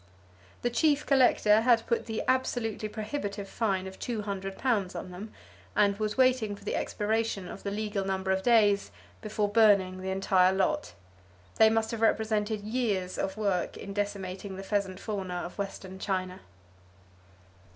The chief collector had put the absolutely prohibitive fine of £200 on them, and was waiting for the expiration of the legal number of days before burning the entire lot. They must have represented years of work in decimating the pheasant fauna of western China.